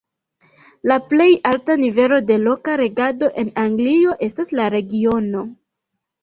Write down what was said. La plej alta nivelo de loka regado en Anglio estas la regiono.